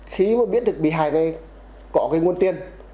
khi mà biết được bị hài này có cái nguồn tiên